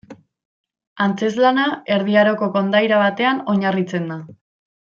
Antzezlana Erdi Aroko kondaira batean oinarritzen da.